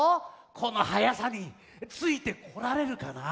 このはやさについてこられるかな？